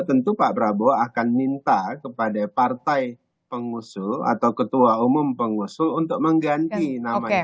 tentu pak prabowo akan minta kepada partai pengusul atau ketua umum pengusul untuk mengganti namanya